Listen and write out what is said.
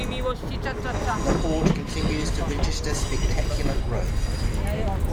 The port continues to register spectacular growth.